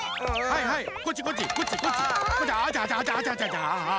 はいはいあ！